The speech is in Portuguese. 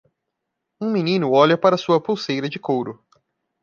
Um menino olha para sua pulseira de couro.